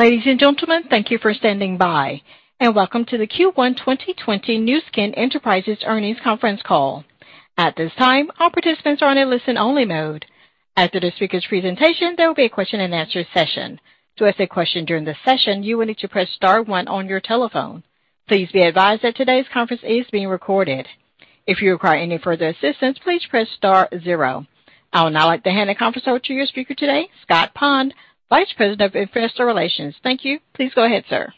Ladies and gentlemen, thank you for standing by, and welcome to the Q1 2020 Nu Skin Enterprises earnings conference call. At this time, all participants are in a listen-only mode. After the speaker's presentation, there will be a question and answer session. To ask a question during the session, you will need to press star one on your telephone. Please be advised that today's conference is being recorded. If you require any further assistance, please press star zero. I would now like to hand the conference over to your speaker today, Scott Pond, Vice President of Investor Relations. Thank you. Please go ahead, sir.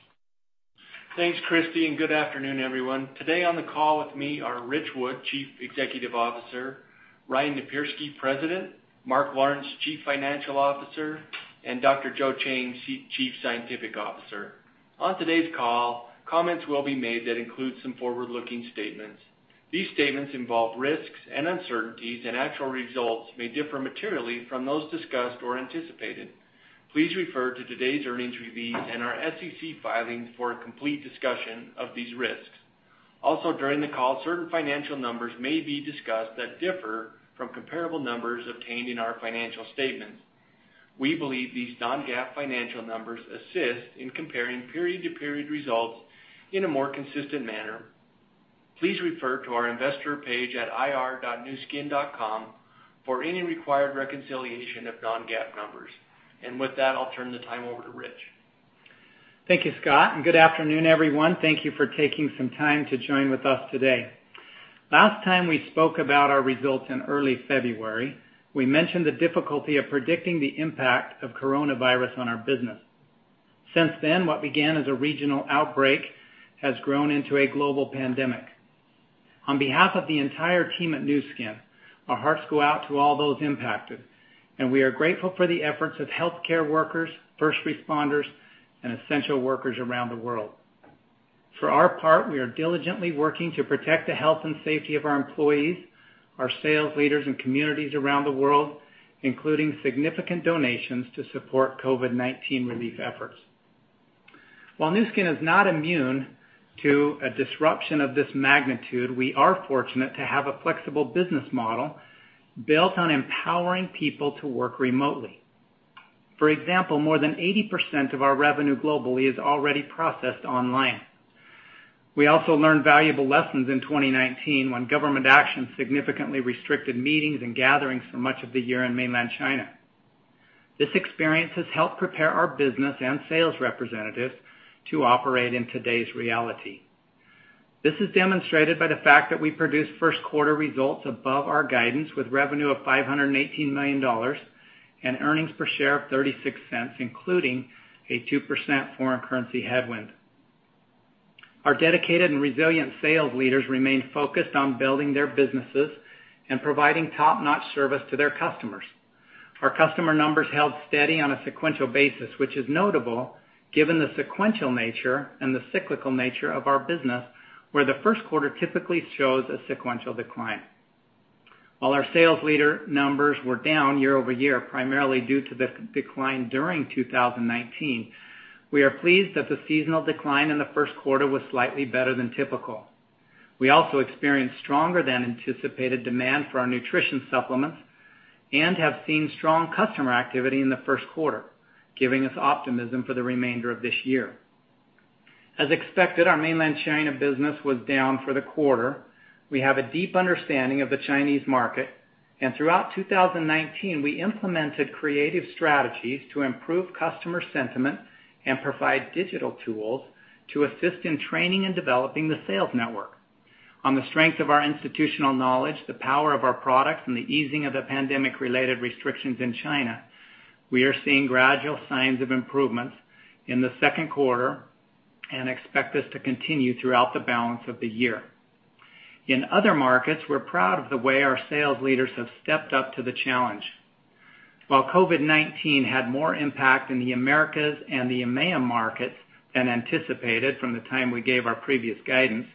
Thanks, Christy, and good afternoon, everyone. Today on the call with me are Ritch Wood, Chief Executive Officer, Ryan Napierski, President, Mark Lawrence, Chief Financial Officer, and Dr Joe Chang, Chief Scientific Officer. On today's call, comments will be made that include some forward-looking statements. These statements involve risks and uncertainties, and actual results may differ materially from those discussed or anticipated. Please refer to today's earnings release and our SEC filings for a complete discussion of these risks. Also, during the call, certain financial numbers may be discussed that differ from comparable numbers obtained in our financial statements. We believe these non-GAAP financial numbers assist in comparing period-to-period results in a more consistent manner. Please refer to our investor page at ir.nuskin.com for any required reconciliation of non-GAAP numbers. With that, I'll turn the time over to Ritch. Thank you, Scott, and good afternoon, everyone. Thank you for taking some time to join with us today. Last time we spoke about our results in early February, we mentioned the difficulty of predicting the impact of coronavirus on our business. Since then, what began as a regional outbreak has grown into a global pandemic. On behalf of the entire team at Nu Skin, our hearts go out to all those impacted, and we are grateful for the efforts of healthcare workers, first responders, and essential workers around the world. For our part, we are diligently working to protect the health and safety of our employees, our sales leaders and communities around the world, including significant donations to support COVID-19 relief efforts. While Nu Skin is not immune to a disruption of this magnitude, we are fortunate to have a flexible business model built on empowering people to work remotely. For example, more than 80% of our revenue globally is already processed online. We also learned valuable lessons in 2019 when government actions significantly restricted meetings and gatherings for much of the year in Mainland China. This experience has helped prepare our business and sales representatives to operate in today's reality. This is demonstrated by the fact that we produced first quarter results above our guidance, with revenue of $518 million and earnings per share of $0.36, including a 2% foreign currency headwind. Our dedicated and resilient sales leaders remain focused on building their businesses and providing top-notch service to their customers. Our customer numbers held steady on a sequential basis, which is notable given the sequential nature and the cyclical nature of our business, where the first quarter typically shows a sequential decline. While our sales leader numbers were down year-over-year, primarily due to the decline during 2019, we are pleased that the seasonal decline in the first quarter was slightly better than typical. We also experienced stronger than anticipated demand for our nutrition supplements and have seen strong customer activity in the first quarter, giving us optimism for the remainder of this year. As expected, our mainland China business was down for the quarter. We have a deep understanding of the Chinese market, and throughout 2019, we implemented creative strategies to improve customer sentiment and provide digital tools to assist in training and developing the sales network. On the strength of our institutional knowledge, the power of our products, and the easing of the pandemic-related restrictions in China, we are seeing gradual signs of improvements in the second quarter and expect this to continue throughout the balance of the year. In other markets, we're proud of the way our sales leaders have stepped up to the challenge. While COVID-19 had more impact in the Americas and the EMEA markets than anticipated from the time we gave our previous guidance,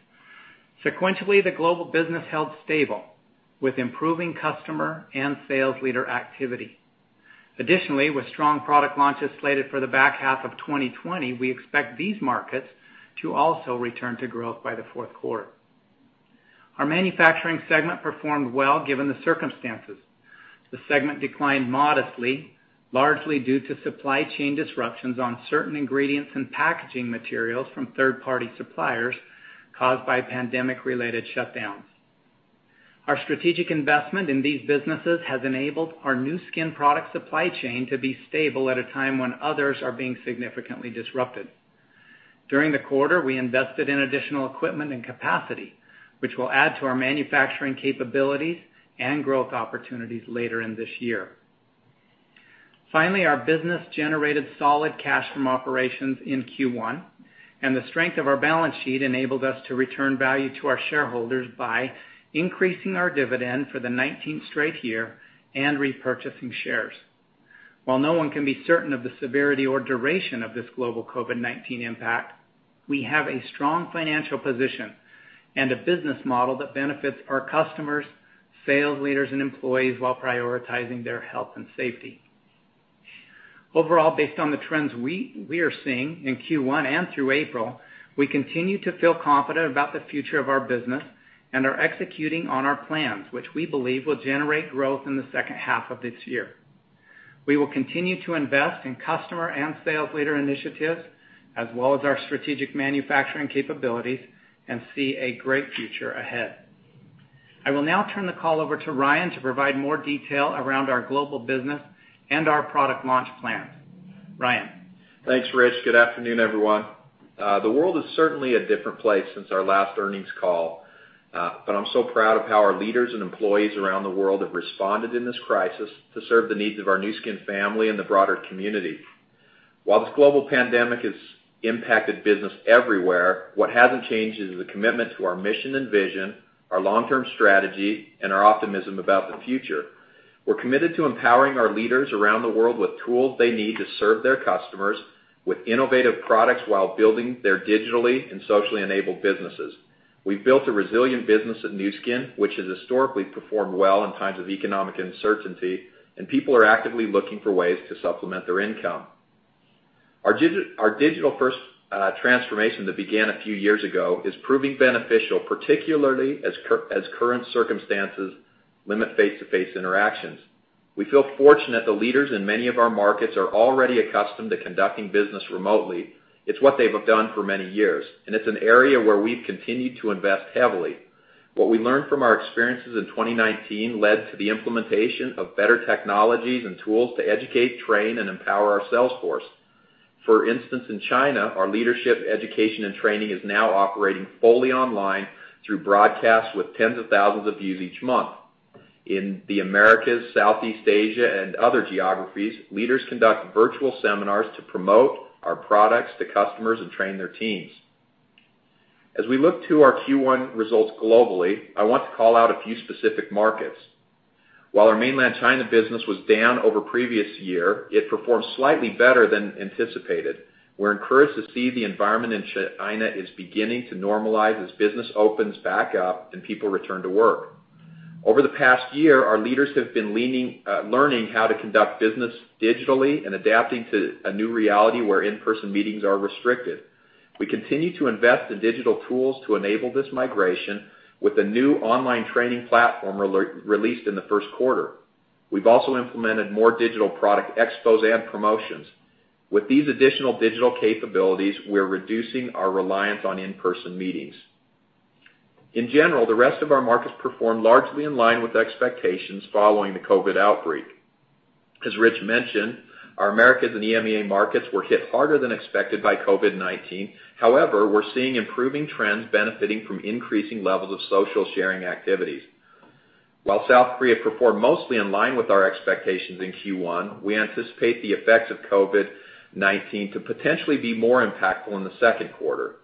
sequentially, the global business held stable, with improving customer and sales leader activity. Additionally, with strong product launches slated for the back half of 2020, we expect these markets to also return to growth by the fourth quarter. Our manufacturing segment performed well given the circumstances. The segment declined modestly, largely due to supply chain disruptions on certain ingredients and packaging materials from third-party suppliers caused by pandemic-related shutdowns. Our strategic investment in these businesses has enabled our Nu Skin product supply chain to be stable at a time when others are being significantly disrupted. During the quarter, we invested in additional equipment and capacity, which will add to our manufacturing capabilities and growth opportunities later in this year. Our business generated solid cash from operations in Q1, and the strength of our balance sheet enabled us to return value to our shareholders by increasing our dividend for the 19th straight year and repurchasing shares. No one can be certain of the severity or duration of this global COVID-19 impact, we have a strong financial position and a business model that benefits our customers, sales leaders and employees while prioritizing their health and safety. Overall, based on the trends we are seeing in Q1 and through April, we continue to feel confident about the future of our business and are executing on our plans, which we believe will generate growth in the second half of this year. We will continue to invest in customer and sales leader initiatives, as well as our strategic manufacturing capabilities, and see a great future ahead. I will now turn the call over to Ryan to provide more detail around our global business and our product launch plan. Ryan? Thanks, Ritch. Good afternoon, everyone. I'm so proud of how our leaders and employees around the world have responded in this crisis to serve the needs of our Nu Skin family and the broader community. While this global pandemic has impacted business everywhere, what hasn't changed is the commitment to our mission and vision, our long-term strategy, and our optimism about the future. We're committed to empowering our leaders around the world with tools they need to serve their customers with innovative products while building their digitally and socially enabled businesses. We've built a resilient business at Nu Skin, which has historically performed well in times of economic uncertainty, and people are actively looking for ways to supplement their income. Our digital-first transformation that began a few years ago is proving beneficial, particularly as current circumstances limit face-to-face interactions. We feel fortunate the leaders in many of our markets are already accustomed to conducting business remotely. It's what they've done for many years, and it's an area where we've continued to invest heavily. What we learned from our experiences in 2019 led to the implementation of better technologies and tools to educate, train, and empower our sales force. For instance, in China, our leadership, education, and training is now operating fully online through broadcasts with tens of thousands of views each month. In the Americas, Southeast Asia, and other geographies, leaders conduct virtual seminars to promote our products to customers and train their teams. As we look to our Q1 results globally, I want to call out a few specific markets. While our Mainland China business was down over the previous year, it performed slightly better than anticipated. We're encouraged to see the environment in China is beginning to normalize as business opens back up and people return to work. Over the past year, our leaders have been learning how to conduct business digitally and adapting to a new reality where in-person meetings are restricted. We continue to invest in digital tools to enable this migration with a new online training platform released in the first quarter. We've also implemented more digital product expos and promotions. With these additional digital capabilities, we're reducing our reliance on in-person meetings. In general, the rest of our markets performed largely in line with expectations following the COVID-19. As Ritch mentioned, our Americas and EMEA markets were hit harder than expected by COVID-19. However, we're seeing improving trends benefiting from increasing levels of social sharing activities. While South Korea performed mostly in line with our expectations in Q1, we anticipate the effects of COVID-19 to potentially be more impactful in the second quarter.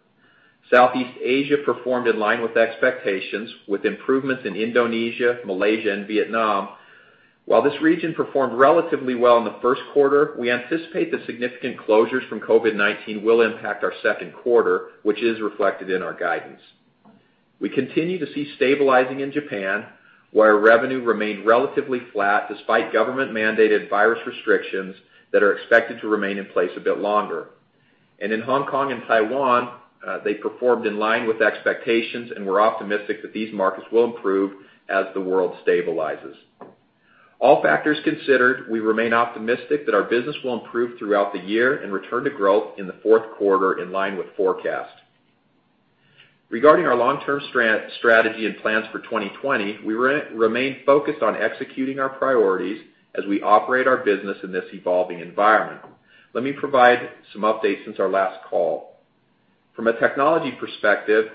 Southeast Asia performed in line with expectations, with improvements in Indonesia, Malaysia, and Vietnam. While this region performed relatively well in the first quarter, we anticipate the significant closures from COVID-19 will impact our second quarter, which is reflected in our guidance. We continue to see stabilizing in Japan, where revenue remained relatively flat despite government-mandated virus restrictions that are expected to remain in place a bit longer. In Hong Kong and Taiwan, they performed in line with expectations, and we're optimistic that these markets will improve as the world stabilizes. All factors considered, we remain optimistic that our business will improve throughout the year and return to growth in the fourth quarter in line with forecasts. Regarding our long-term strategy and plans for 2020, we remain focused on executing our priorities as we operate our business in this evolving environment. Let me provide some updates since our last call. From a technology perspective,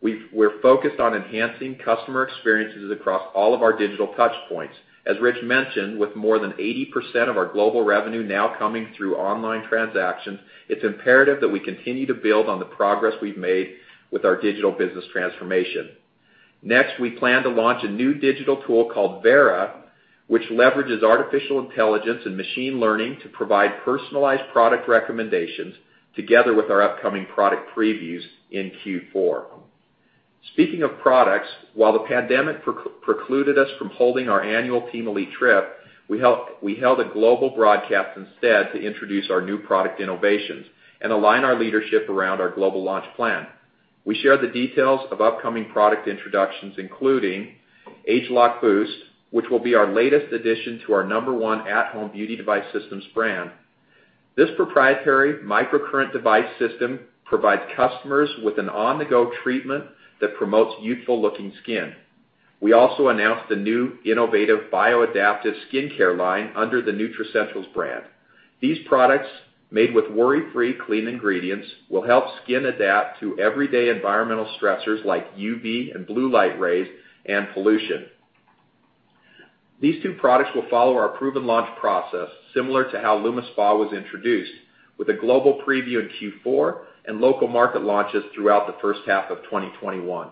we're focused on enhancing customer experiences across all of our digital touchpoints. As Ritch mentioned, with more than 80% of our global revenue now coming through online transactions, it's imperative that we continue to build on the progress we've made with our digital business transformation. Next, we plan to launch a new digital tool called Vera, which leverages artificial intelligence and machine learning to provide personalized product recommendations together with our upcoming product previews in Q4. Speaking of products, while the pandemic precluded us from holding our annual Team Elite trip, we held a global broadcast instead to introduce our new product innovations and align our leadership around our global launch plan. We share the details of upcoming product introductions, including ageLOC Boost, which will be our latest addition to our number one at-home beauty device systems brand. This proprietary microcurrent device system provides customers with an on-the-go treatment that promotes youthful-looking skin. We also announced the new innovative Bioadaptive skincare line under the Nutricentials brand. These products, made with worry-free clean ingredients, will help skin adapt to everyday environmental stressors like UV and blue light rays and pollution. These two products will follow our proven launch process, similar to how LumiSpa was introduced, with a global preview in Q4 and local market launches throughout the first half of 2021.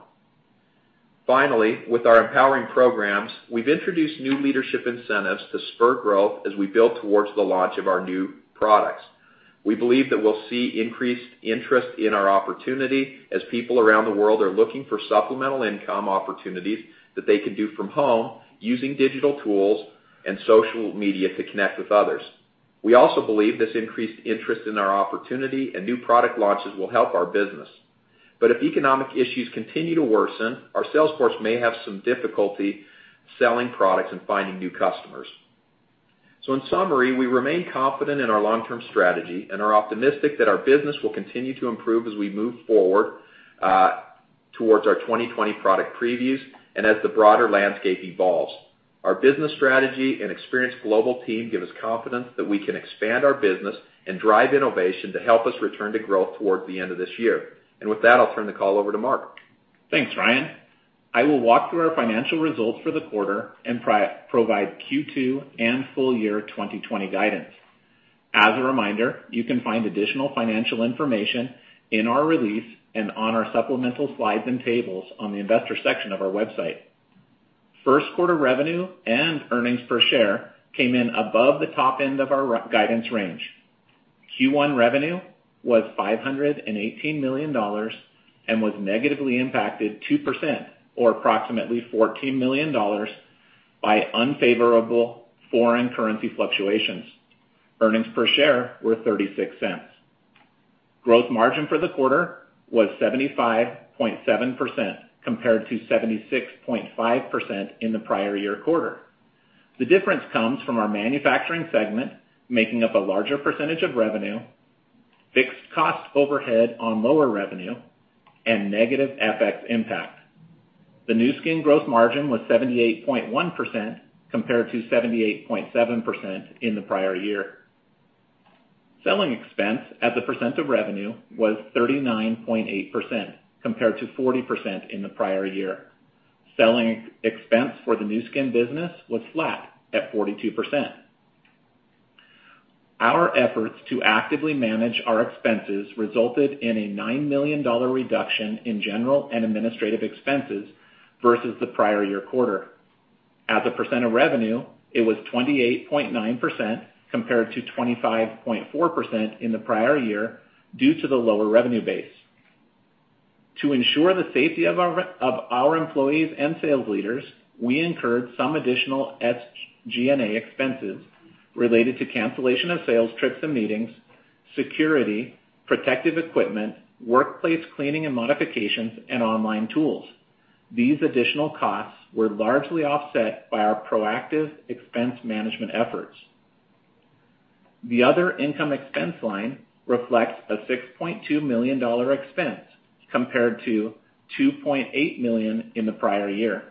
Finally, with our empowering programs, we've introduced new leadership incentives to spur growth as we build towards the launch of our new products. We believe that we'll see increased interest in our opportunity as people around the world are looking for supplemental income opportunities that they can do from home using digital tools and social media to connect with others. We also believe this increased interest in our opportunity and new product launches will help our business. If economic issues continue to worsen, our sales force may have some difficulty selling products and finding new customers. In summary, we remain confident in our long-term strategy and are optimistic that our business will continue to improve as we move forward towards our 2020 product previews and as the broader landscape evolves. Our business strategy and experienced global team give us confidence that we can expand our business and drive innovation to help us return to growth towards the end of this year. With that, I'll turn the call over to Mark. Thanks, Ryan. I will walk through our financial results for the quarter and provide Q2 and full-year 2020 guidance. As a reminder, you can find additional financial information in our release and on our supplemental slides and tables on the investor section of our website. First quarter revenue and earnings per share came in above the top end of our guidance range. Q1 revenue was $518 million and was negatively impacted 2% or approximately $14 million by unfavorable foreign currency fluctuations. Earnings per share were $0.36. Gross margin for the quarter was 75.7% compared to 76.5% in the prior year quarter. The difference comes from our manufacturing segment making up a larger percentage of revenue, fixed cost overhead on lower revenue, and negative FX impact. The Nu Skin gross margin was 78.1% compared to 78.7% in the prior year. Selling expense as a % of revenue was 39.8% compared to 40% in the prior year. Selling expense for the Nu Skin business was flat at 42%. Our efforts to actively manage our expenses resulted in a $9 million reduction in general and administrative expenses versus the prior year quarter. As a percent of revenue, it was 28.9% compared to 25.4% in the prior year due to the lower revenue base. To ensure the safety of our employees and sales leaders, we incurred some additional SG&A expenses related to cancellation of sales trips and meetings, security, protective equipment, workplace cleaning and modifications, and online tools. These additional costs were largely offset by our proactive expense management efforts. The other income expense line reflects a $6.2 million expense compared to $2.8 million in the prior year.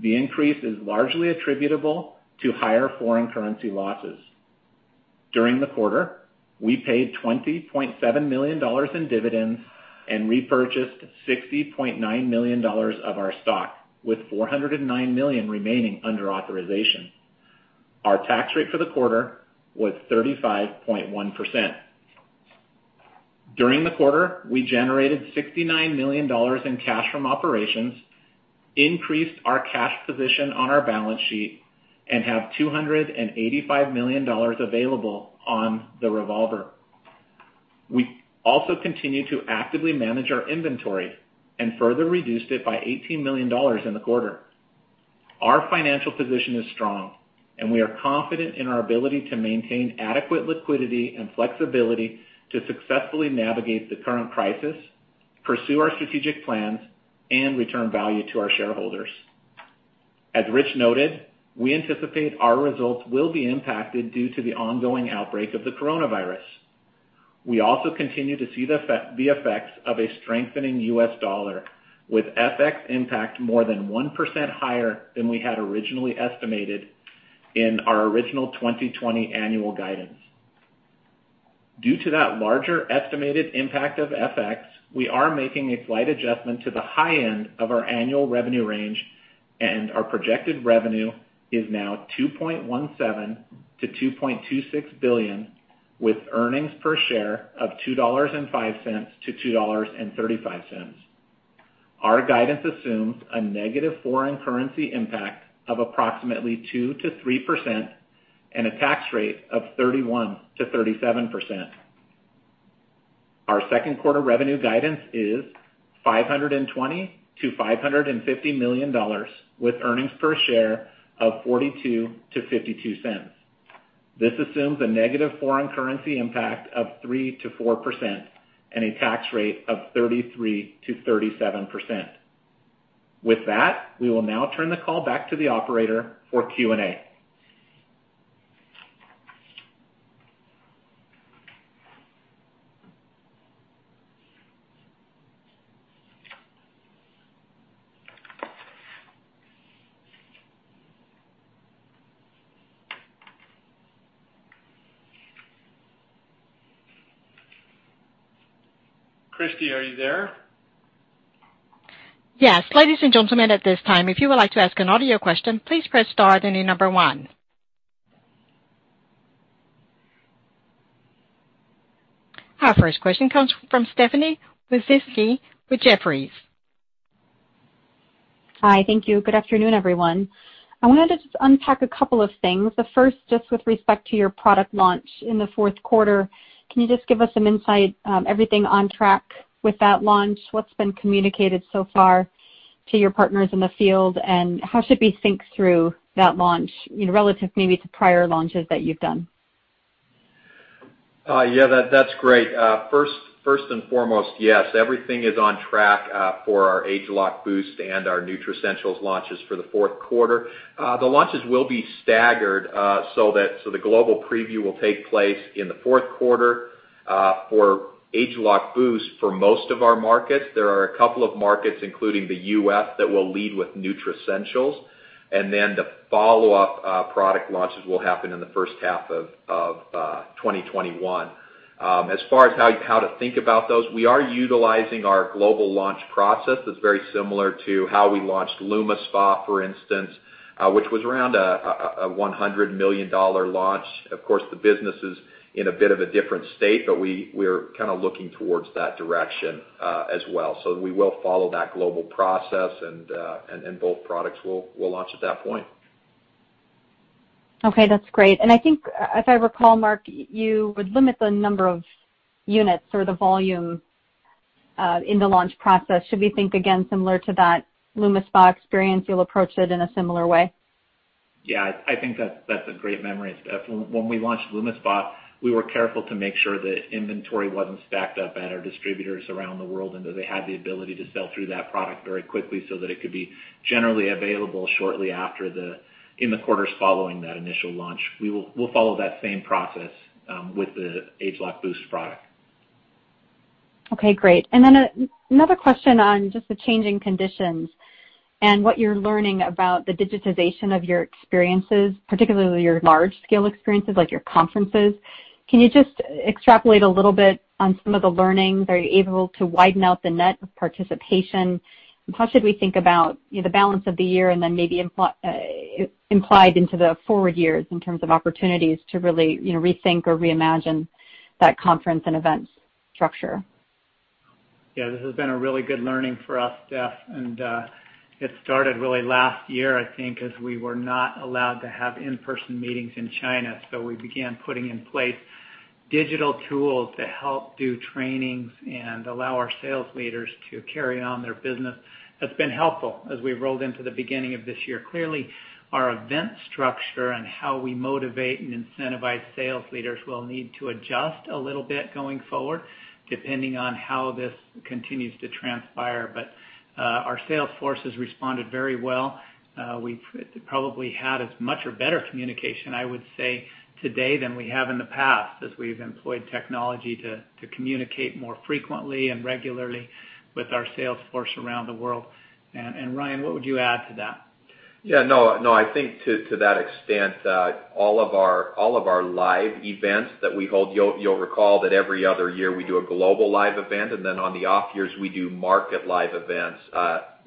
The increase is largely attributable to higher foreign currency losses. During the quarter, we paid $20.7 million in dividends and repurchased $60.9 million of our stock, with $409 million remaining under authorization. Our tax rate for the quarter was 35.1%. During the quarter, we generated $69 million in cash from operations, increased our cash position on our balance sheet, and have $285 million available on the revolver. We also continue to actively manage our inventory and further reduced it by $18 million in the quarter. Our financial position is strong, and we are confident in our ability to maintain adequate liquidity and flexibility to successfully navigate the current crisis, pursue our strategic plans, and return value to our shareholders. As Ritch noted, we anticipate our results will be impacted due to the ongoing outbreak of the coronavirus. We also continue to see the effects of a strengthening U.S. dollar, with FX impact more than 1% higher than we had originally estimated in our original 2020 annual guidance. Due to that larger estimated impact of FX, we are making a slight adjustment to the high end of our annual revenue range; our projected revenue is now $2.17-2.26 billion, with earnings per share of $2.05-2.35. Our guidance assumes a negative foreign currency impact of approximately 2%-3% and a tax rate of 31%-37%. Our second quarter revenue guidance is $520-550 million with earnings per share of $0.42-0.52. This assumes a negative foreign currency impact of 3%-4% and a tax rate of 33%-37%. With that, we will now turn the call back to the operator for Q&A. Christy, are you there? Yes. Ladies and gentlemen, at this time, if you would like to ask an audio question, please press star, then the number one. Our first question comes from Stephanie Wissink with Jefferies. Hi. Thank you. Good afternoon, everyone. I wanted to just unpack a couple of things. The first, just with respect to your product launch in the fourth quarter, can you just give us some insight? Everything on track with that launch? What's been communicated so far to your partners in the field, and how should we think through that launch relative maybe to prior launches that you've done? That's great. First and foremost, yes, everything is on track for our ageLOC Boost and our Nutricentials launches for the fourth quarter. The launches will be staggered so the global preview will take place in the fourth quarter for ageLOC Boost for most of our markets. There are a couple of markets, including the U.S., that will lead with Nutricentials, and then the follow-up product launches will happen in the first half of 2021. As far as how to think about those, we are utilizing our global launch process that's very similar to how we launched LumiSpa, for instance, which was around a $100 million launch. Of course, the business is in a bit of a different state, but we're kind of looking towards that direction as well. We will follow that global process, and both products will launch at that point. Okay, that's great. I think if I recall, Mark, you would limit the number of units or the volume in the launch process. Should we think again, similar to that LumiSpa experience, you'll approach it in a similar way? Yeah, I think that's a great memory, Stephanie. When we launched LumiSpa, we were careful to make sure that inventory wasn't stacked up at our distributors around the world and that they had the ability to sell through that product very quickly so that it could be generally available in the quarters following that initial launch. We'll follow that same process with the ageLOC Boost product. Okay, great. Another question on just the changing conditions and what you're learning about the digitization of your experiences, particularly your large-scale experiences, like your conferences. Can you just extrapolate a little bit on some of the learnings? Are you able to widen out the net of participation? How should we think about the balance of the year and then maybe implied into the forward years in terms of opportunities to really rethink or reimagine that conference and events structure? Yeah, this has been a really good learning for us, Stephanie. It started really last year, I think, as we were not allowed to have in-person meetings in China. We began putting in place digital tools to help do trainings and allow our sales leaders to carry on their business. That's been helpful as we've rolled into the beginning of this year. Clearly, our event structure and how we motivate and incentivize sales leaders will need to adjust a little bit going forward, depending on how this continues to transpire. Our sales force has responded very well. We've probably had as much or better communication, I would say, today than we have in the past as we've employed technology to communicate more frequently and regularly with our sales force around the world. Ryan, what would you add to that? Yeah. No, I think to that extent, all of our live events that we hold, you'll recall that every other year, we do a global live event, and then on the off years, we do market live events at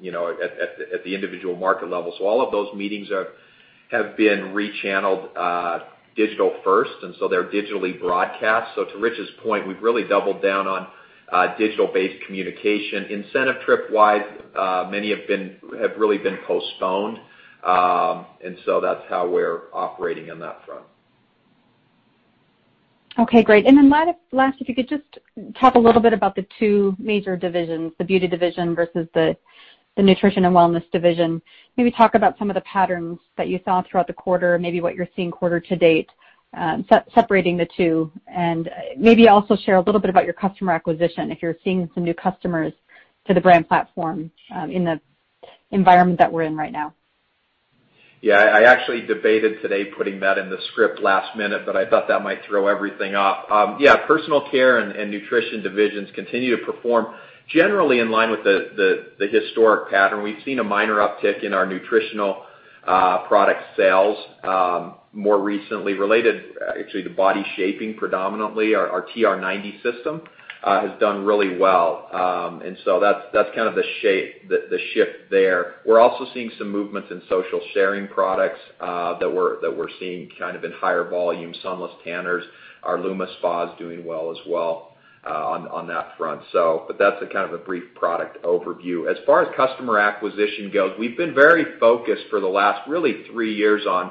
the individual market level. All of those meetings have been re-channeled digital first, and so they're digitally broadcast. To Ritch's point, we've really doubled down on digital-based communication. Incentive trip-wise, many have really been postponed. That's how we're operating on that front. Okay, great. Then last, if you could just talk a little bit about the two major divisions, the beauty division versus the nutrition and wellness division. Maybe talk about some of the patterns that you saw throughout the quarter, maybe what you're seeing quarter to date, separating the two, and maybe also share a little bit about your customer acquisition, if you're seeing some new customers to the brand platform in the environment that we're in right now? Yeah. I actually debated today putting that in the script last minute, but I thought that might throw everything off. Yeah, personal care and nutrition divisions continue to perform generally in line with the historic pattern. We've seen a minor uptick in our nutritional product sales more recently, related actually to body shaping predominantly. Our TR90 system has done really well. That's kind of the shift there. We're also seeing some movements in social sharing products that we're seeing kind of in higher volume, sunless tanners. Our LumiSpa is doing well as well on that front. That's a kind of a brief product overview. As far as customer acquisition goes, we've been very focused for the last really three years on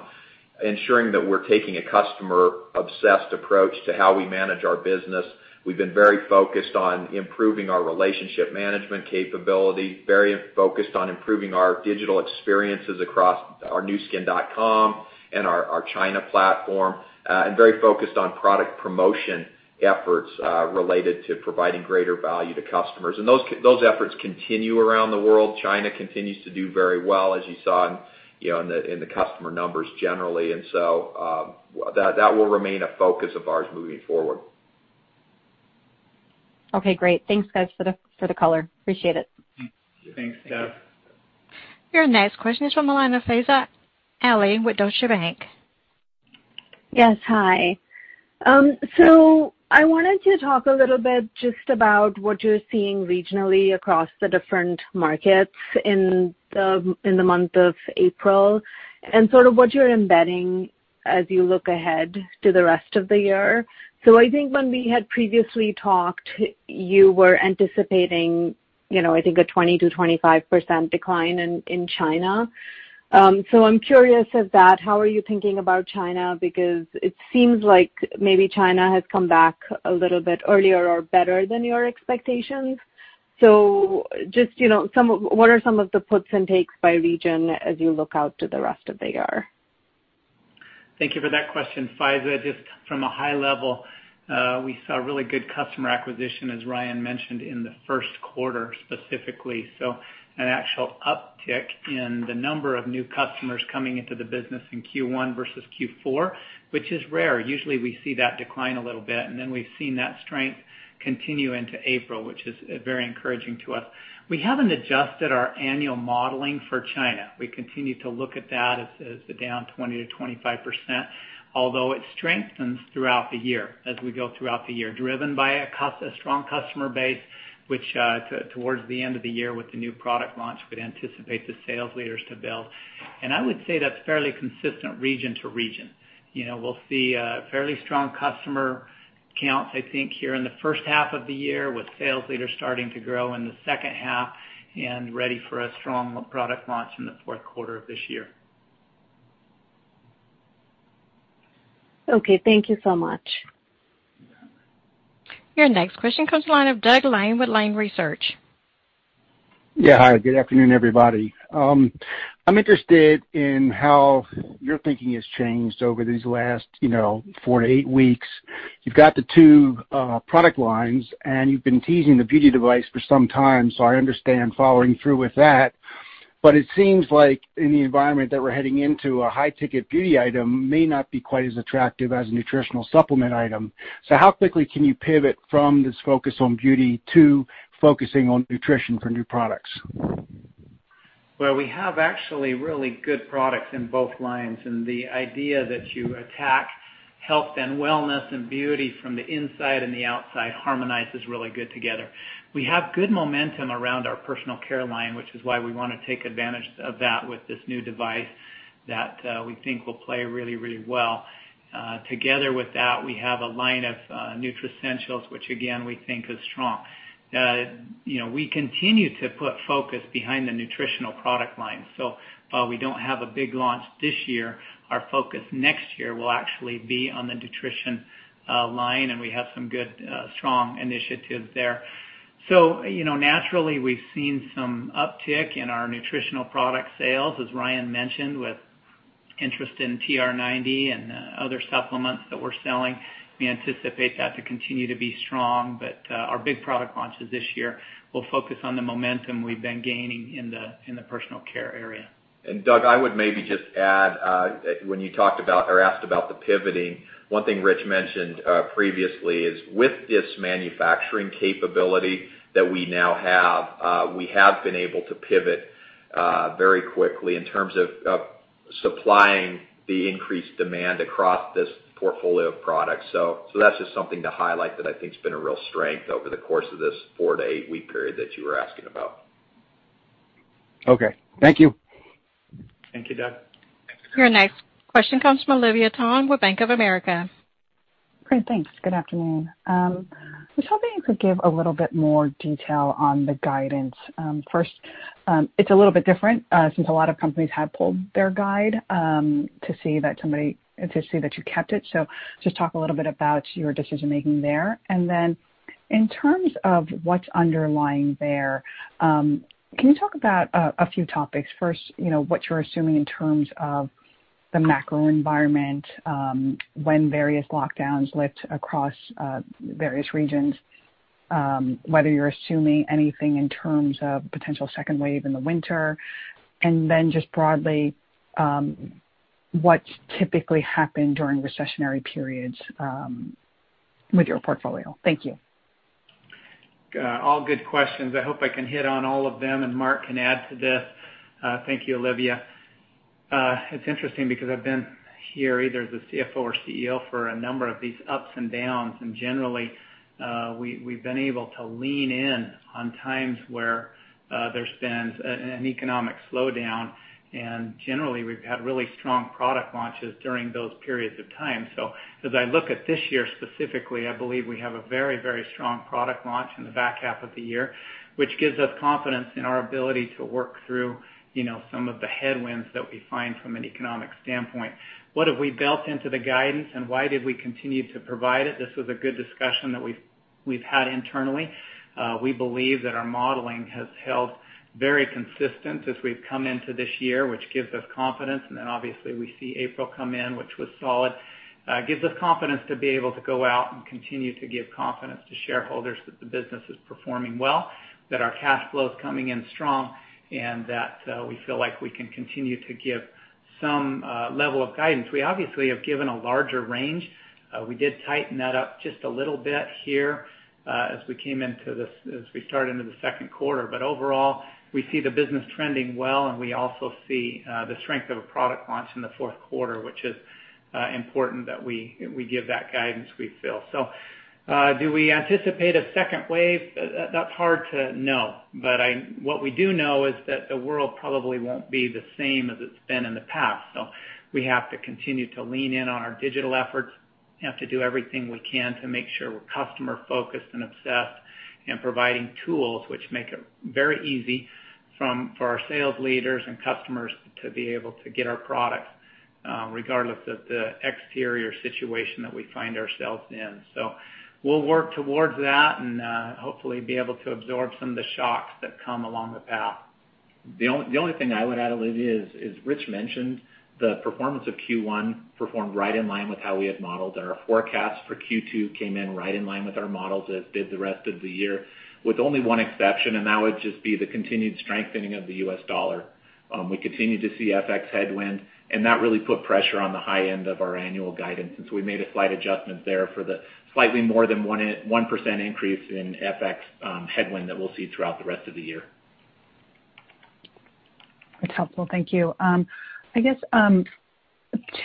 ensuring that we're taking a customer-obsessed approach to how we manage our business. We've been very focused on improving our relationship management capability, very focused on improving our digital experiences across our nuskin.com and our China platform, and very focused on product promotion efforts related to providing greater value to customers. Those efforts continue around the world. China continues to do very well, as you saw in the customer numbers generally. That will remain a focus of ours moving forward. Okay, great. Thanks, guys, for the color. Appreciate it. Thanks, Steph. Your next question is from Faiza Alwy with Deutsche Bank. Yes, hi. I wanted to talk a little bit just about what you're seeing regionally across the different markets in the month of April and sort of what you're embedding as you look ahead to the rest of the year. I think when we had previously talked, you were anticipating I think a 20%-25% decline in China. I'm curious of that, how are you thinking about China? It seems like maybe China has come back a little bit earlier or better than your expectations. Just what are some of the puts and takes by region as you look out to the rest of the year? Thank you for that question, Faiza. Just from a high level, we saw really good customer acquisition, as Ryan mentioned, in the first quarter specifically. An actual uptick in the number of new customers coming into the business in Q1 versus Q4, which is rare. Usually we see that decline a little bit, and then we've seen that strength continue into April, which is very encouraging to us. We haven't adjusted our annual modeling for China. We continue to look at that as down 20%-25%, although it strengthens throughout the year as we go throughout the year, driven by a strong customer base, which towards the end of the year with the new product launch would anticipate the sales leaders to build. I would say that's fairly consistent region to region. We'll see a fairly strong customer count, I think, here in the first half of the year with sales leaders starting to grow in the second half and ready for a strong product launch in the fourth quarter of this year. Okay, thank you so much. Your next question comes to the line of Douglas Lane with Lane Research. Yeah, hi, good afternoon, everybody. I'm interested in how your thinking has changed over these last four to eight weeks. You've got the two product lines, and you've been teasing the beauty device for some time, so I understand following through with that. It seems like in the environment that we're heading into, a high-ticket beauty item may not be quite as attractive as a nutritional supplement item. How quickly can you pivot from this focus on beauty to focusing on nutrition for new products? Well, we have actually really good products in both lines, and the idea that you attack health and wellness and beauty from the inside and the outside harmonizes really good together. We have good momentum around our personal care line, which is why we want to take advantage of that with this new device that we think will play really, really well. Together with that, we have a line of Nutricentials, which again, we think is strong. We continue to put focus behind the nutritional product line. While we don't have a big launch this year, our focus next year will actually be on the nutrition line, and we have some good, strong initiatives there. Naturally, we've seen some uptick in our nutritional product sales, as Ryan mentioned, with interest in TR90 and other supplements that we're selling. We anticipate that to continue to be strong, but our big product launches this year will focus on the momentum we've been gaining in the personal care area. Douglas, I would maybe just add, when you talked about or asked about the pivoting, one thing Ritch mentioned previously is with this manufacturing capability that we now have, we have been able to pivot very quickly in terms of supplying the increased demand across this portfolio of products. That's just something to highlight that I think has been a real strength over the course of this four to eight-week period that you were asking about. Okay. Thank you. Thank you, Douglas. Your next question comes from Olivia Tong with Bank of America. Great, thanks. Good afternoon. I was hoping you could give a little bit more detail on the guidance. First, it's a little bit different since a lot of companies have pulled their guide to see that you kept it. Just talk a little bit about your decision-making there. Then in terms of what's underlying there, can you talk about a few topics? First, what you're assuming in terms of the macro environment, when various lockdowns lift across various regions, whether you're assuming anything in terms of potential second wave in the winter, then just broadly, what's typically happened during recessionary periods with your portfolio. Thank you. All good questions. I hope I can hit on all of them and Mark can add to this. Thank you, Olivia. It's interesting because I've been here either as a CFO or CEO for a number of these ups and downs, and generally, we've been able to lean in on times where there's been an economic slowdown, and generally, we've had really strong product launches during those periods of time. As I look at this year specifically, I believe we have a very, very strong product launch in the back half of the year, which gives us confidence in our ability to work through some of the headwinds that we find from an economic standpoint. What have we built into the guidance and why did we continue to provide it? This was a good discussion that we've had internally. We believe that our modeling has held very consistent as we've come into this year, which gives us confidence. Then obviously we see April come in, which was solid. Gives us confidence to be able to go out and continue to give confidence to shareholders that the business is performing well, that our cash flow is coming in strong, and that we feel like we can continue to give some level of guidance. We obviously have given a larger range. We did tighten that up just a little bit here as we start into the second quarter. Overall, we see the business trending well, and we also see the strength of a product launch in the fourth quarter, which is important that we give that guidance, we feel. Do we anticipate a second wave? That's hard to know, but what we do know is that the world probably won't be the same as it's been in the past. We have to continue to lean in on our digital efforts, have to do everything we can to make sure we're customer-focused and obsessed and providing tools which make it very easy for our sales leaders and customers to be able to get our products regardless of the exterior situation that we find ourselves in. We'll work towards that and hopefully be able to absorb some of the shocks that come along the path. The only thing I would add, Olivia, is Ritch mentioned the performance of Q1 performed right in line with how we had modeled. Our forecast for Q2 came in right in line with our models, as did the rest of the year, with only one exception. That would just be the continued strengthening of the U.S. dollar. We continue to see FX headwind. That really put pressure on the high end of our annual guidance, since we made a slight adjustment there for the slightly more than 1% increase in FX headwind that we'll see throughout the rest of the year. That's helpful. Thank you. I guess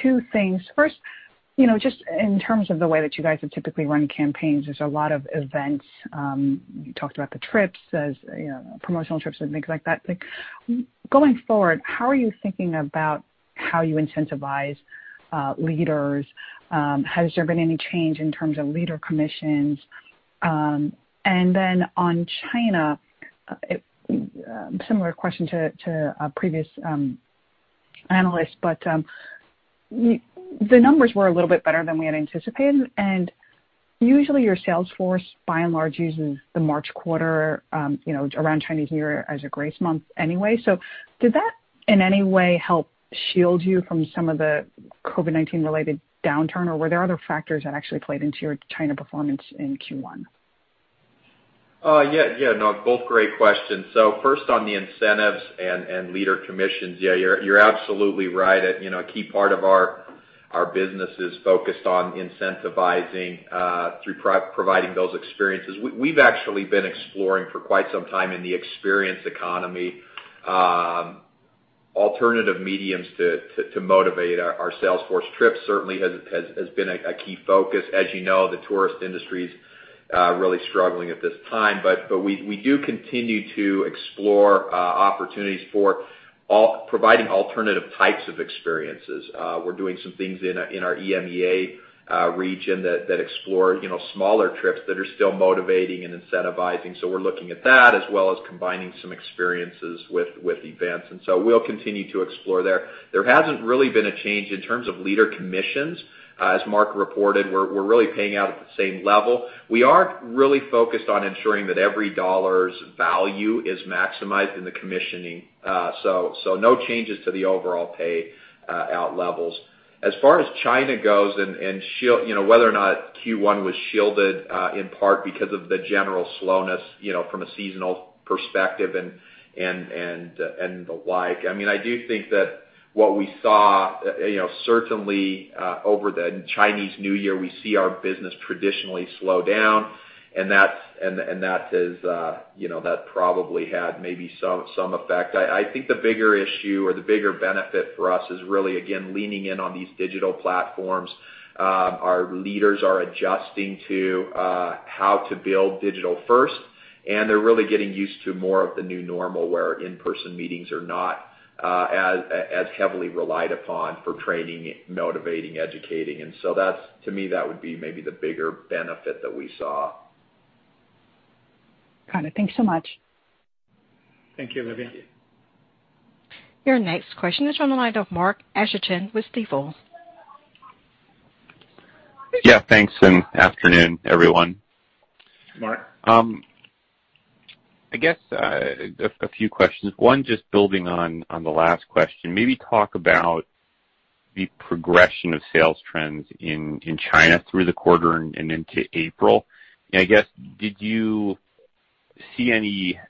two things. First, just in terms of the way that you guys have typically run campaigns, there's a lot of events. You talked about the trips, promotional trips and things like that. Going forward, how are you thinking about how you incentivize leaders? Has there been any change in terms of leader commissions? On China, similar question to a previous analyst, the numbers were a little bit better than we had anticipated, and usually your sales force, by and large, uses the March quarter around Chinese New Year as a grace month anyway. Did that in any way help shield you from some of the COVID-19 related downturn, or were there other factors that actually played into your China performance in Q1? Yeah. No, both great questions. First on the incentives and leader commissions. Yeah, you're absolutely right. A key part of our business is focused on incentivizing through providing those experiences. We've actually been exploring for quite some time in the experience economy, alternative mediums to motivate our sales force. Trips certainly has been a key focus. As you know, the tourist industry's really struggling at this time, but we do continue to explore opportunities for providing alternative types of experiences. We're doing some things in our EMEA region that explore smaller trips that are still motivating and incentivizing. We're looking at that as well as combining some experiences with events. We'll continue to explore there. There hasn't really been a change in terms of leader commissions. As Mark reported, we're really paying out at the same level. We are really focused on ensuring that every dollar's value is maximized in the commissioning. No changes to the overall payout levels. As far as China goes and whether or not Q1 was shielded in part because of the general slowness from a seasonal perspective and the like, I do think that what we saw, certainly over the Chinese New Year, we see our business traditionally slow down. That probably had maybe some effect. I think the bigger issue or the bigger benefit for us is really, again, leaning in on these digital platforms. Our leaders are adjusting to how to build digital first. They're really getting used to more of the new normal, where in-person meetings are not as heavily relied upon for training, motivating, educating. That, to me, that would be maybe the bigger benefit that we saw. Got it. Thanks so much. Thank you, Olivia. Your next question is on the line of Mark Astrachan with Stifel. Yeah, thanks and afternoon, everyone. Mark. I guess a few questions. One, just building on the last question, maybe talk about the progression of sales trends in China through the quarter and into April. I guess, did you see any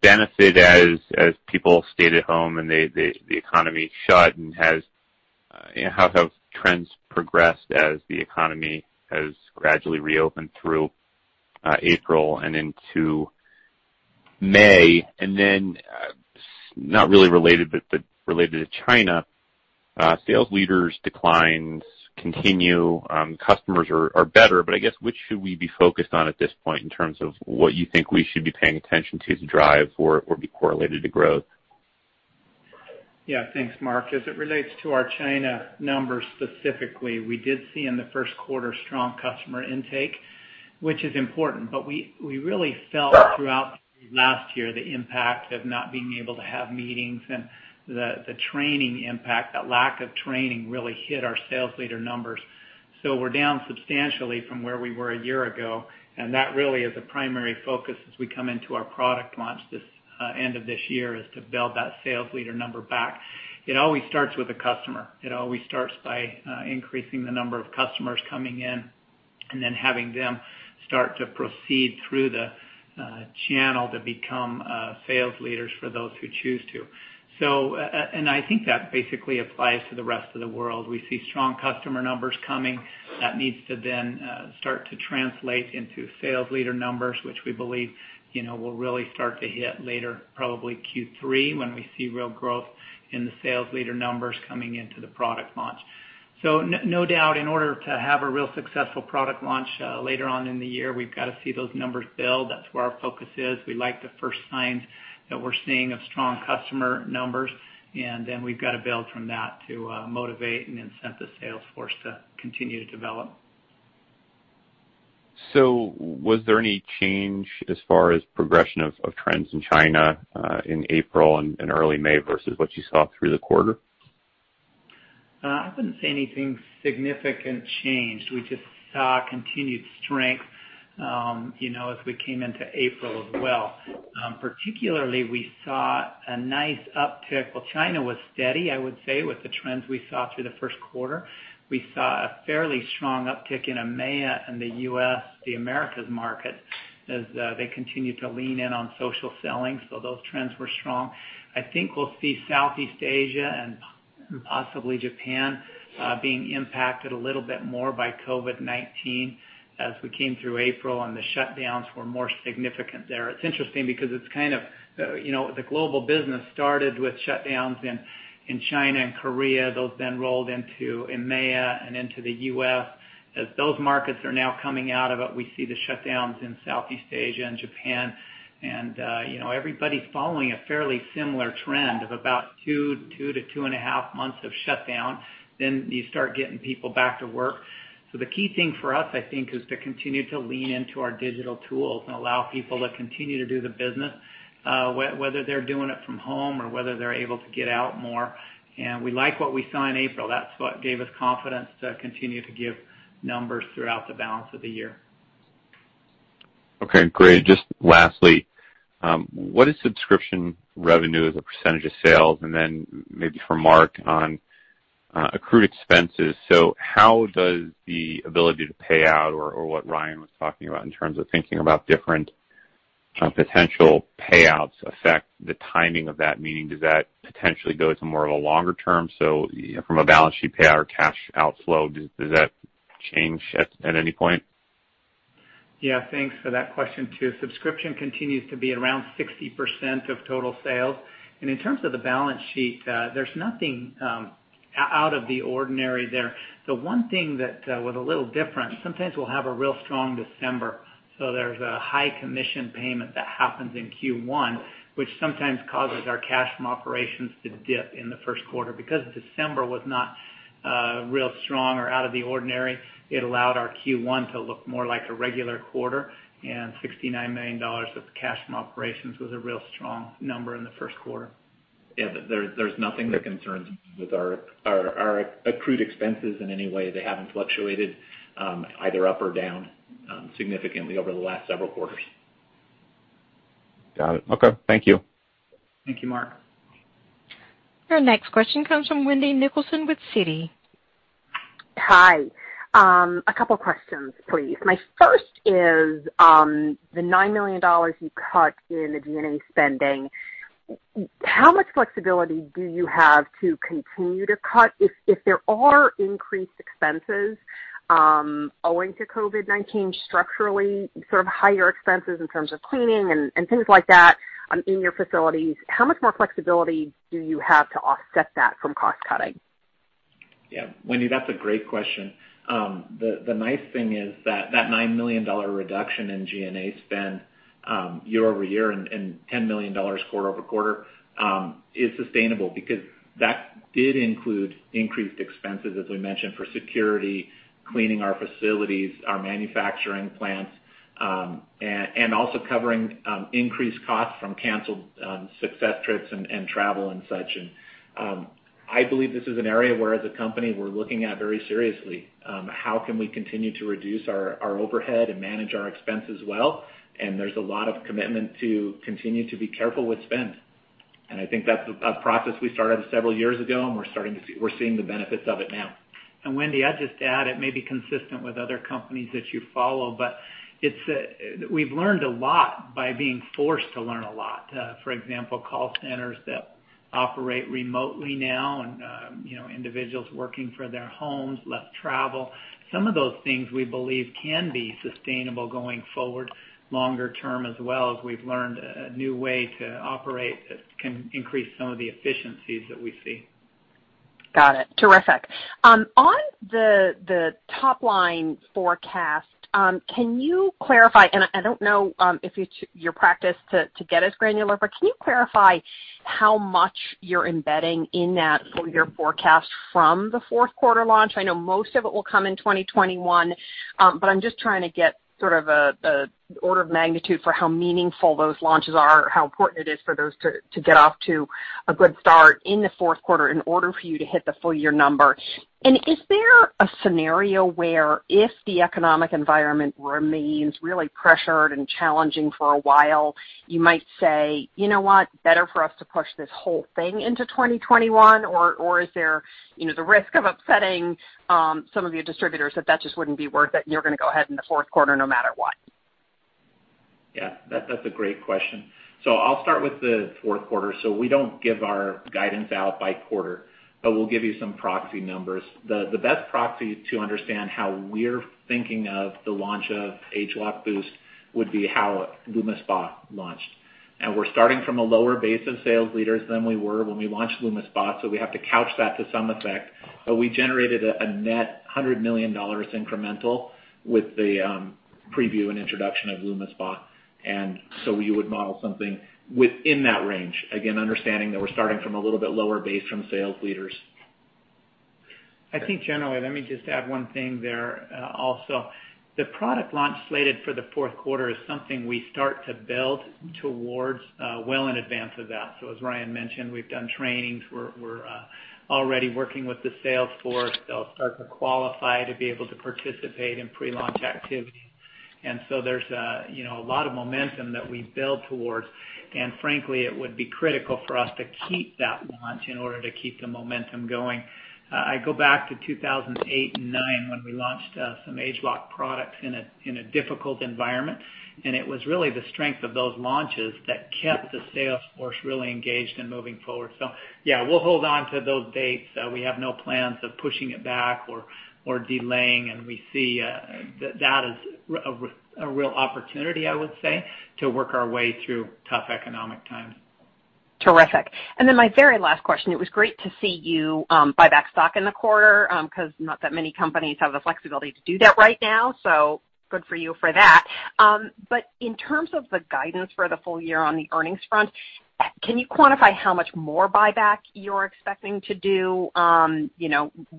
benefit as people stayed at home and the economy shut, and how have trends progressed as the economy has gradually reopened through April and into May? Not really related, but related to China, sales leaders declines continue. Customers are better, I guess which should we be focused on at this point in terms of what you think we should be paying attention to to drive or be correlated to growth? Yeah, thanks, Mark. As it relates to our China numbers specifically, we did see in the first quarter strong customer intake, which is important. We really felt throughout last year the impact of not being able to have meetings and the training impact, that lack of training really hit our sales leader numbers. We're down substantially from where we were a year ago, and that really is a primary focus as we come into our product launch this end of this year, is to build that sales leader number back. It always starts with the customer. It always starts by increasing the number of customers coming in then having them start to proceed through the channel to become sales leaders for those who choose to. I think that basically applies to the rest of the world. We see strong customer numbers coming. That needs to start to translate into sales leader numbers, which we believe will really start to hit later, probably Q3, when we see real growth in the sales leader numbers coming into the product launch. No doubt, in order to have a real successful product launch later on in the year, we've got to see those numbers build. That's where our focus is. We like the first signs that we're seeing of strong customer numbers, we've got to build from that to motivate and incentivize the sales force to continue to develop. Was there any change as far as progression of trends in China in April and early May versus what you saw through the quarter? I wouldn't say anything significant changed. We just saw continued strength as we came into April as well. Particularly, we saw a nice uptick. Well, China was steady, I would say, with the trends we saw through the first quarter. We saw a fairly strong uptick in EMEA and the U.S., the Americas market, as they continued to lean in on social selling. Those trends were strong. I think we'll see Southeast Asia and possibly Japan being impacted a little bit more by COVID-19 as we came through April, and the shutdowns were more significant there. It's interesting because the global business started with shutdowns in China and Korea. Those then rolled into EMEA and into the U.S. As those markets are now coming out of it, we see the shutdowns in Southeast Asia and Japan. Everybody's following a fairly similar trend of about two to two and a half months of shutdown. You start getting people back to work. The key thing for us, I think, is to continue to lean into our digital tools and allow people to continue to do the business, whether they're doing it from home or whether they're able to get out more. We like what we saw in April. That's what gave us confidence to continue to give numbers throughout the balance of the year. Okay, great. Just lastly, what is subscription revenue as a percent of sales? Maybe for Mark on accrued expenses. How does the ability to pay out or what Ryan was talking about in terms of thinking about different potential payouts affect the timing of that? Meaning, does that potentially go to more of a longer term? From a balance sheet payout or cash outflow, does that change at any point? Yeah, thanks for that question, too. Subscription continues to be around 60% of total sales. In terms of the balance sheet, there's nothing out of the ordinary there. The one thing that was a little different, sometimes we'll have a real strong December, so there's a high commission payment that happens in Q1, which sometimes causes our cash from operations to dip in the first quarter. Because December was not real strong or out of the ordinary, it allowed our Q1 to look more like a regular quarter, and $69 million of cash from operations was a real strong number in the first quarter. Yeah, there's nothing that concerns me with our accrued expenses in any way. They haven't fluctuated either up or down significantly over the last several quarters. Got it. Okay. Thank you. Thank you, Mark. Your next question comes from Wendy Nicholson with Citi. Hi. A couple questions, please. My first is the $9 million you cut in the G&A spending, how much flexibility do you have to continue to cut if there are increased expenses owing to COVID-19 structurally, sort of higher expenses in terms of cleaning and things like that in your facilities, how much more flexibility do you have to offset that from cost-cutting? Yeah, Wendy, that's a great question. The nice thing is that that $9 million reduction in G&A spend year-over-year and $10 million quarter-over-quarter is sustainable because that did include increased expenses, as we mentioned, for security, cleaning our facilities, our manufacturing plants, and also covering increased costs from canceled success trips and travel and such. I believe this is an area where as a company, we're looking at very seriously. How can we continue to reduce our overhead and manage our expenses well? There's a lot of commitment to continue to be careful with spend. I think that's a process we started several years ago, and we're seeing the benefits of it now. Wendy, I'd just add it may be consistent with other companies that you follow, but we've learned a lot by being forced to learn a lot. For example, call centers that operate remotely now and individuals working for their homes, less travel. Some of those things we believe can be sustainable going forward longer term as well, as we've learned a new way to operate that can increase some of the efficiencies that we see. Got it. Terrific. On the top line forecast, can you clarify, and I don't know if it's your practice to get as granular, but can you clarify how much you're embedding in that full year forecast from the fourth quarter launch? I know most of it will come in 2021. I'm just trying to get sort of the order of magnitude for how meaningful those launches are, how important it is for those to get off to a good start in the fourth quarter in order for you to hit the full year number. Is there a scenario where if the economic environment remains really pressured and challenging for a while, you might say, "You know what? Better for us to push this whole thing into 2021. Is there the risk of upsetting some of your distributors that just wouldn't be worth it, and you're going to go ahead in the fourth quarter no matter what? Yeah. That's a great question. I'll start with the fourth quarter. We don't give our guidance out by quarter, but we'll give you some proxy numbers. The best proxy to understand how we're thinking of the launch of ageLOC Boost would be how LumiSpa launched. We're starting from a lower base of sales leaders than we were when we launched LumiSpa, so we have to couch that to some effect. We generated a net $100 million incremental with the preview and introduction of LumiSpa, and so you would model something within that range. Again, understanding that we're starting from a little bit lower base from sales leaders. I think generally, let me just add one thing there. The product launch slated for the fourth quarter is something we start to build towards well in advance of that. As Ryan mentioned, we've done trainings. We're already working with the sales force. They'll start to qualify to be able to participate in pre-launch activities. There's a lot of momentum that we build towards, and frankly, it would be critical for us to keep that launch in order to keep the momentum going. I go back to 2008 and 2009 when we launched some ageLOC products in a difficult environment, and it was really the strength of those launches that kept the sales force really engaged and moving forward. Yeah, we'll hold on to those dates. We have no plans of pushing it back or delaying, and we see that is a real opportunity, I would say, to work our way through tough economic times. Terrific. My very last question, it was great to see you buy back stock in the quarter, because not that many companies have the flexibility to do that right now. Good for you for that. In terms of the guidance for the full year on the earnings front, can you quantify how much more buyback you're expecting to do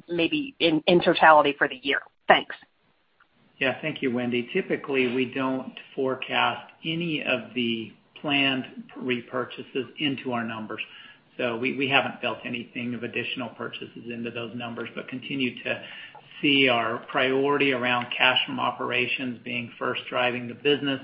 maybe in totality for the year? Thanks. Yeah. Thank you, Wendy. Typically, we don't forecast any of the planned repurchases into our numbers. We haven't built anything of additional purchases into those numbers, but continue to see our priority around cash from operations being first driving the business,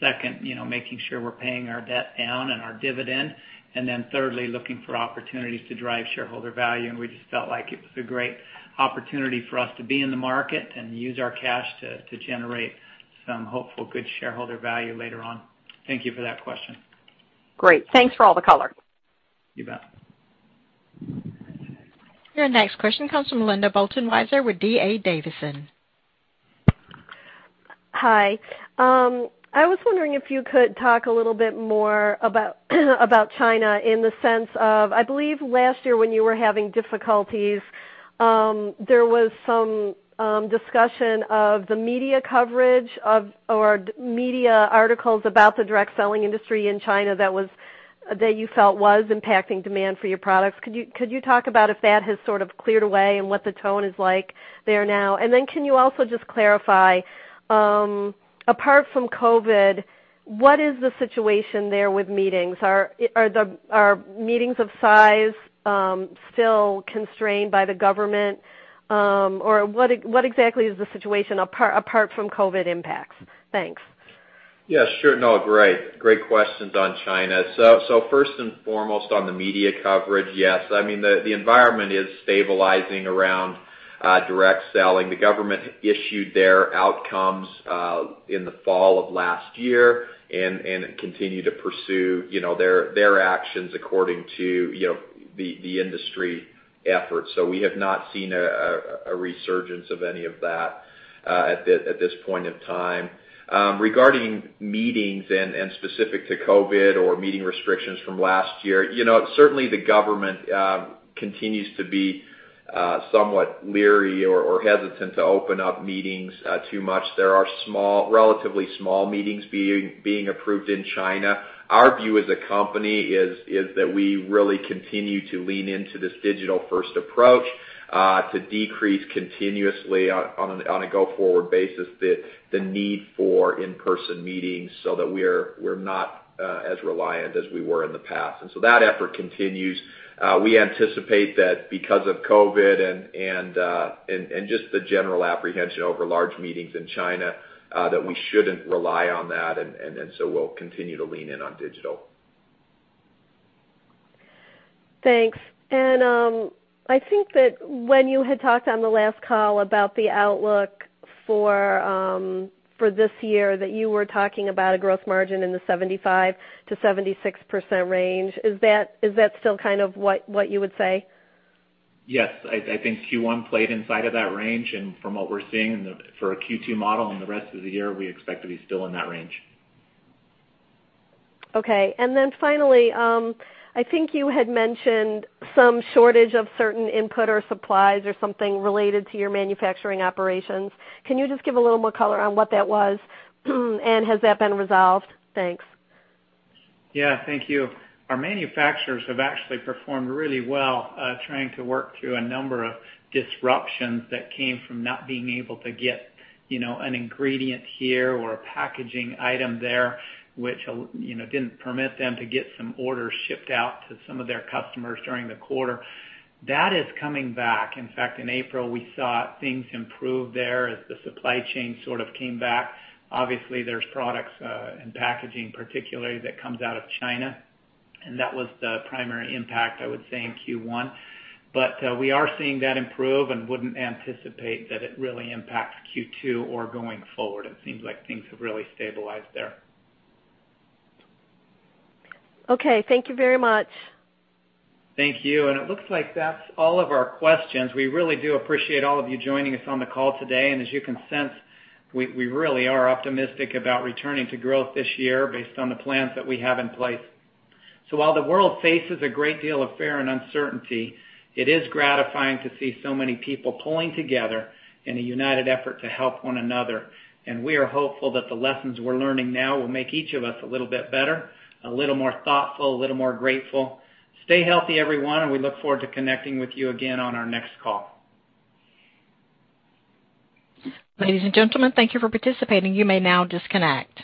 second, making sure we're paying our debt down and our dividend, and then thirdly, looking for opportunities to drive shareholder value. We just felt like it was a great opportunity for us to be in the market and use our cash to generate some hopeful, good shareholder value later on. Thank you for that question. Great. Thanks for all the color. You bet. Your next question comes from Linda Bolton Weiser with D.A. Davidson. Hi. I was wondering if you could talk a little bit more about China in the sense of, I believe last year when you were having difficulties, there was some discussion of the media coverage or media articles about the direct selling industry in China that you felt was impacting demand for your products. Could you talk about if that has sort of cleared away and what the tone is like there now? Can you also just clarify, apart from COVID-19, what is the situation there with meetings? Are meetings of size still constrained by the government? What exactly is the situation apart from COVID-19 impacts? Thanks. Yeah, sure. No, great questions on China. First and foremost on the media coverage, yes. The environment is stabilizing around direct selling. The government issued their outcomes in the fall of last year and continue to pursue their actions according to the industry efforts. We have not seen a resurgence of any of that at this point in time. Regarding meetings and specific to COVID-19 or meeting restrictions from last year, certainly the government continues to be somewhat leery or hesitant to open up meetings too much. There are relatively small meetings being approved in China. Our view as a company is that we really continue to lean into this digital-first approach, to decrease continuously on a go-forward basis the need for in-person meetings so that we're not as reliant as we were in the past. That effort continues. We anticipate that because of COVID and just the general apprehension over large meetings in China, that we shouldn't rely on that, and so we'll continue to lean in on digital. Thanks. I think that when you had talked on the last call about the outlook for this year, that you were talking about a gross margin in the 75%-76% range. Is that still kind of what you would say? Yes. I think Q1 played inside of that range, and from what we're seeing for a Q2 model and the rest of the year, we expect to be still in that range. Okay. Finally, I think you had mentioned some shortage of certain input or supplies or something related to your manufacturing operations. Can you just give a little more color on what that was? And has that been resolved? Thanks. Yeah. Thank you. Our manufacturers have actually performed really well trying to work through a number of disruptions that came from not being able to get an ingredient here or a packaging item there, which didn't permit them to get some orders shipped out to some of their customers during the quarter. That is coming back. In fact, in April, we saw things improve there as the supply chain sort of came back. Obviously, there's products and packaging particularly that comes out of China, and that was the primary impact, I would say, in Q1. We are seeing that improve and wouldn't anticipate that it really impacts Q2 or going forward. It seems like things have really stabilized there. Okay. Thank you very much. Thank you. It looks like that's all of our questions. We really do appreciate all of you joining us on the call today. As you can sense, we really are optimistic about returning to growth this year based on the plans that we have in place. While the world faces a great deal of fear and uncertainty, it is gratifying to see so many people pulling together in a united effort to help one another. We are hopeful that the lessons we're learning now will make each of us a little bit better, a little more thoughtful, a little more grateful. Stay healthy, everyone, and we look forward to connecting with you again on our next call. Ladies and gentlemen, thank you for participating. You may now disconnect.